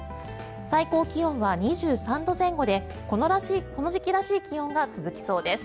最高気温は２３度前後でこの時期らしい気温が続きそうです。